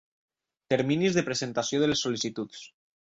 Terminis de presentació de les sol·licituds.